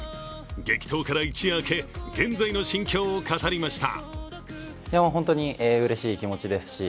激闘から一夜明け現在の心境を語りました。